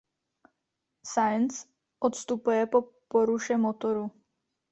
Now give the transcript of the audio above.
Sainz odstupuje po poruše motoru.